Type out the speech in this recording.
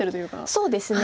そうですね。